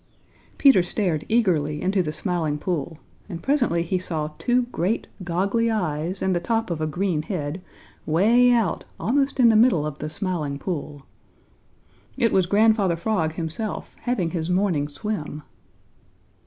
Peter stared eagerly into the Smiling Pool, and presently he saw two great, goggly eyes and the top of a green head, way out almost in the middle of the Smiling Pool. It was Grandfather Frog himself, having his morning swim.